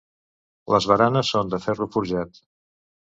Les baranes són de ferro forjat.